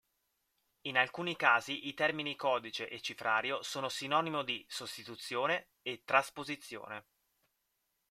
In alcuni casi i termini codice e cifrario sono sinonimo di "sostituzione" e "trasposizione".